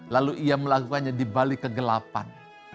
lalu ia melakukannya di balik kegelapan